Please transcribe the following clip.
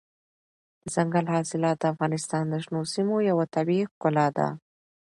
دځنګل حاصلات د افغانستان د شنو سیمو یوه طبیعي ښکلا ده.